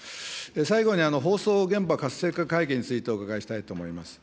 最後に、放送現場活性化会議についてお伺いしたいと思います。